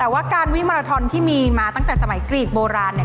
แต่ว่าการวิมาราทอนที่มีมาตั้งแต่สมัยกรีดโบราณเนี่ย